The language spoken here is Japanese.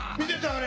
あれ。